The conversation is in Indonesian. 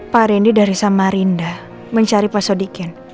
pak rendy dari sama reina mencari pak sodikin